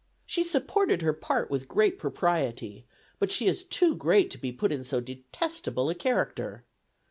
She supported her part with great propriety; but she is too great to be put in so detestable a character.